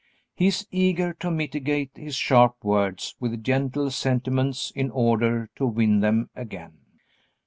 He is eager to mitigate his sharp words with gentle sentiments in order to win them again.